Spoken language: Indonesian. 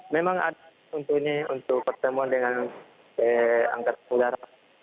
memang ada untuk ini untuk pertemuan dengan angkatan udara